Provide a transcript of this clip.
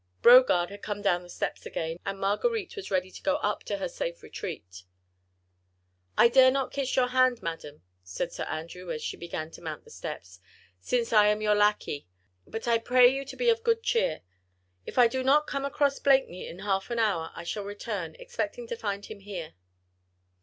Brogard had come down the steps again, and Marguerite was ready to go up to her safe retreat. "I dare not kiss your hand, madam," said Sir Andrew, as she began to mount the steps, "since I am your lacquey, but I pray you be of good cheer. If I do not come across Blakeney in half an hour, I shall return, expecting to find him here."